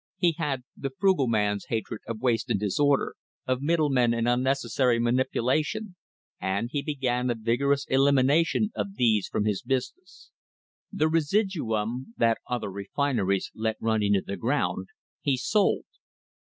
He had the frugal man's hatred of waste and disorder, of middlemen and unnecessary manipulation, and he began a ' vigorous elimination of these from his business. The residuum that other refineries let run into the ground, he sold.